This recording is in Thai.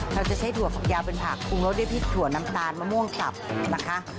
เราจะใช้ถั่วผักยาวเป็นผักปรุงรสด้วยพริกถั่วน้ำตาลมะม่วงสับนะคะ